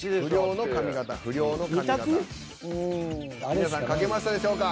皆さん書けましたでしょうか？